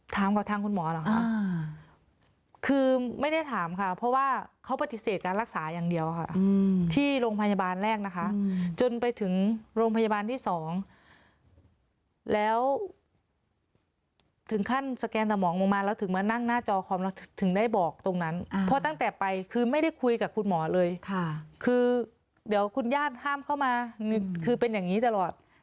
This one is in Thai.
ถามกับทางคุณหมอเหรอคะคือไม่ได้ถามค่ะเพราะว่าเขาปฏิเสธการรักษาอย่างเดียวค่ะที่โรงพยาบาลแรกนะคะจนไปถึงโรงพยาบาลที่๒แล้วถึงขั้นสแกนสมองลงมาแล้วถึงมานั่งหน้าจอคอมแล้วถึงได้บอกตรงนั้นเพราะตั้งแต่ไปคือไม่ได้คุยกับคุณหมอเลยค่ะคือเดี๋ยวคุณญาติห้ามเข้ามาคือเป็นอย่างนี้ตลอด